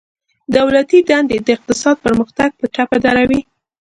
دولتي دندي د اقتصاد پرمختګ په ټپه دروي